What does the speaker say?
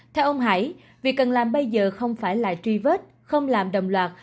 theo ông hải việc cần làm bây giờ không phải là truy vết không làm đồng loạt